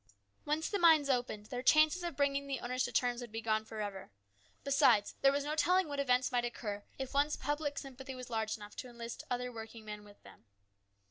Once the mines opened up their chances of bringing the owners to terms would be gone for ever. Besides, there was no telling what events might occur if once public sympathy was large enough to enlist other working men with them.